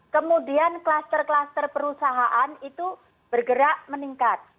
kemudian kluster kluster perusahaan itu bergerak meningkat